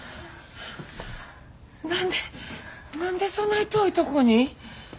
何で何でそない遠いとこに。